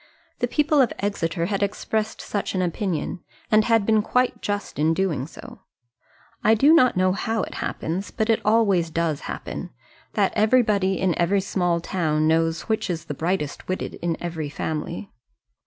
The people of Exeter had expressed such an opinion, and had been quite just in doing so. I do not know how it happens, but it always does happen, that everybody in every small town knows which is the brightest witted in every family.